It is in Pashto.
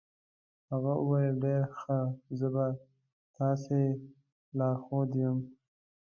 هغه وویل ډېر ښه، زه به ستاسې لارښود یم.